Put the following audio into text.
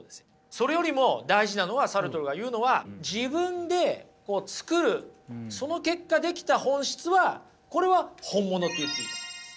それよりも大事なのはサルトルが言うのは自分で作るその結果出来た本質はこれは本物って言っていいと思います。